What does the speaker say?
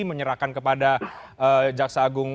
menyerahkan kepada jaksa agung